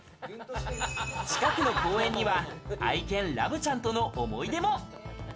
近くの公園には愛犬ラブちゃんとの思い出も。